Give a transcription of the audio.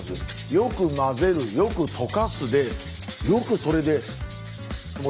「よく混ぜるよく溶かす」でよくそれで。